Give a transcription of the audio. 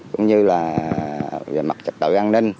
cũng như là về mặt trật tự an ninh